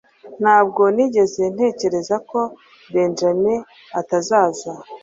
ntabwo nigeze ntekereza ko benjamin atazaza